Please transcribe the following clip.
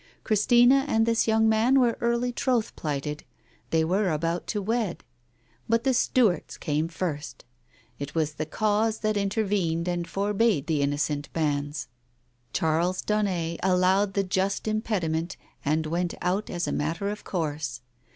Christina and this young man were early troth plighted — they were about to wed — but the Stuarts came first. It was the Cause that intervened and forbade the M2 Digitized by Google i6 4 TALES OF THE UNEASY innocent banns. Charles Daunet allowed the just im pediment and went out as a matter of course.